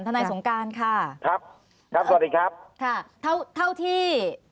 ทนายสงการค่ะครับครับสวัสดีครับ